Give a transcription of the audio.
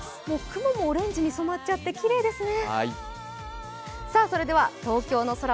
雲もオレンジに染まっちゃって、きれいですね。